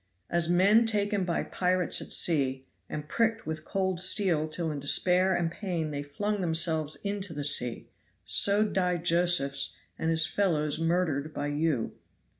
As men taken by pirates at sea, and pricked with cold steel till in despair and pain they fling themselves into the sea so died Josephs and his fellows murdered by you.